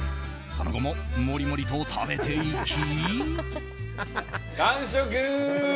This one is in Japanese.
その後もモリモリと食べていき。